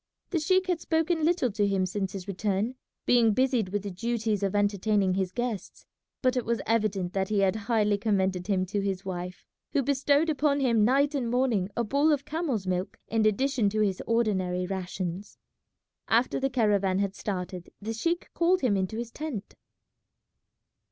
The sheik had spoken little to him since his return, being busied with the duties of entertaining his guests; but it was evident that he had highly commended him to his wife, who bestowed upon him night and morning a bowl of camel's milk in addition to his ordinary rations. After the caravan had started the sheik called him into his tent.